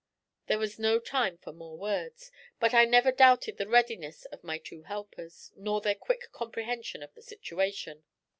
There was no time for more words, but I never doubted the readiness of my two helpers, nor their quick comprehension of the situation.